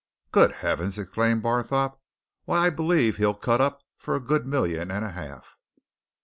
"Good heavens!" exclaimed Barthorpe. "Why I believe he'll cut up for a good million and a half!"